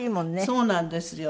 そうなんですよ。